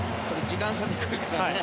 時間差で来るからね。